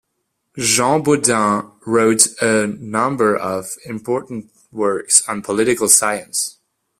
Jean Bodin wrote a number of important works on political science.